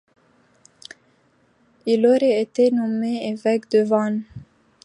Il aurait été nommé évêque de Vannes.